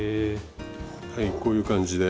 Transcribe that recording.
はいこういう感じで。